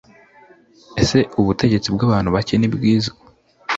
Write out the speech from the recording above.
Ese ubutegetsi bw'abantu bacye nibwiza